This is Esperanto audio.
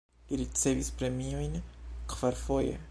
Li ricevis premiojn kvarfoje.